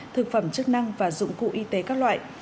thực phẩm chức năng và dụng cụ y tế các loại